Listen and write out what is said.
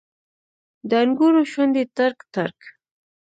د انګورو شونډې ترک، ترک